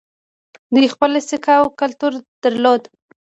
دوی خپله سکه او کلتور درلود